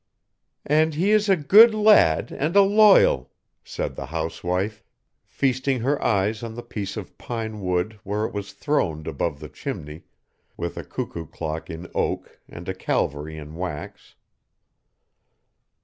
"And he is a good lad and a loyal," said the housewife, feasting her eyes on the piece of pine wood where it was throned above the chimney with a cuckoo clock in oak and a Calvary in wax.